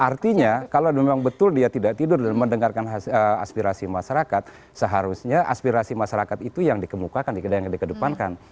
artinya kalau memang betul dia tidak tidur dan mendengarkan aspirasi masyarakat seharusnya aspirasi masyarakat itu yang dikemukakan dikedepankan